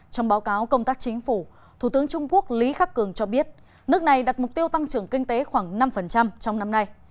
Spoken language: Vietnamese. trong báo cáo công tác chính phủ thủ tướng trung quốc lý khắc cường cho biết nước này đặt mục tiêu tăng trưởng kinh tế khoảng năm trong năm nay